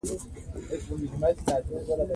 نورستان د افغانستان د اقتصاد برخه ده.